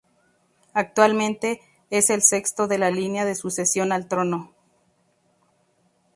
Actualmente es el sexto de la línea de sucesión al trono.